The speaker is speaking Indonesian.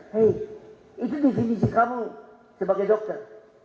hei itu definisi kamu sebagai dokter